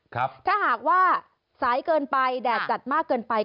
ถ้าหากว่าสายเกินไปแดดจัดมากเกินไป